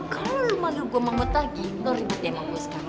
kalo lo mandir gue mahmud lagi lo ribet ya sama gue sekarang